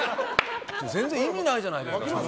全然意味ないじゃないですか。